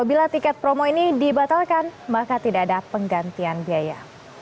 bila tiket promo ini dibatalkan maka tidak ada penggantian biaya